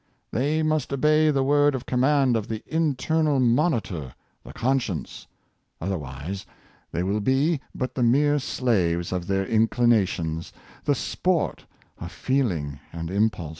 They must obey the word of command of the internal monitor, the conscience — otherwise they will be but the mere slaves of their inclinations, the sport of feeling and impulse.